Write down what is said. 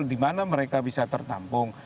dimana mereka bisa tertampung